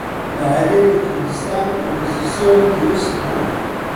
لە هەرێمی کوردستان ئۆپۆزسیۆن دروست بوو